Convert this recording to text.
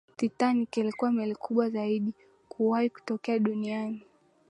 titanic ilikuwa meli kubwa zaidi kuwahi kutokea duniani